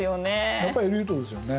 やっぱりエリートですよね。